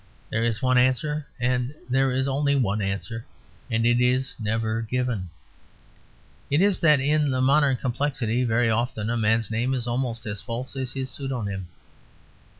There is one answer, and there is only one answer, and it is never given. It is that in the modern complexity very often a man's name is almost as false as his pseudonym.